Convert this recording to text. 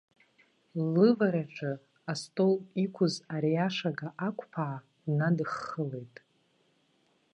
Лывараҿы астол иқәыз ариашага аақәԥаа днадыххылеит.